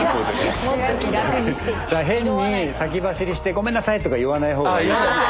だから変に先走りしてごめんなさいとか言わないほうがいい。